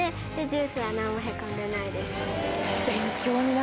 ジュースは何も凹んでないです。